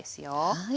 はい。